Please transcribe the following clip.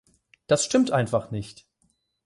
Das stimmt einfach nicht!